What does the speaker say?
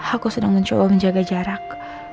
aku sedang mencoba menjaga jarak